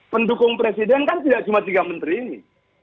pendukung presiden kan tidak cuma tiga menteri ini